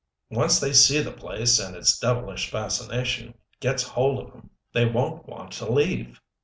Once they see the place, and its devilish fascination gets hold of 'em, they won't want to leave."